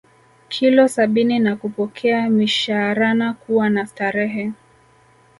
Kilo sabini na kupokea mishhaarana kuwa na starehe